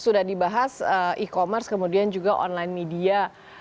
sudah dibahas e commerce kemudian juga online media